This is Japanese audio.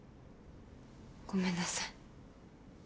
ごめんなさい。